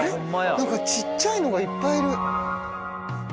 何か小っちゃいのがいっぱいいる。